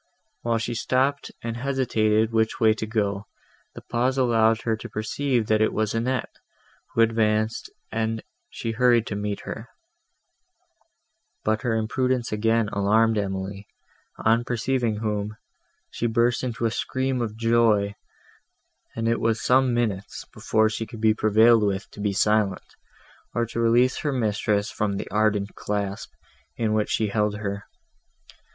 While she stopped and hesitated which way to go, the pause allowed her to perceive, that it was Annette, who advanced, and she hurried to meet her: but her imprudence again alarmed Emily, on perceiving whom, she burst into a scream of joy, and it was some minutes, before she could be prevailed with to be silent, or to release her mistress from the ardent clasp, in which she held her.